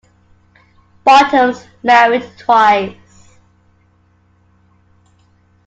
Bottoms married twice.